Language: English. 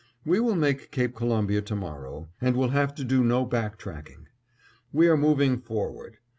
We will make Cape Columbia to morrow and will have to do no back tracking. We are moving forward.